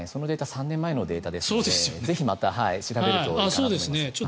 ３年前のものですのでぜひまた調べるといいと思います。